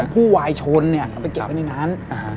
ผู้วายชนเอาไปเก็บไว้ในนั้น